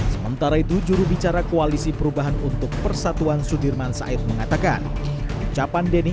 sementara itu jurubicara koalisi perubahan untuk persatuan sudirman said mengatakan ucapan denny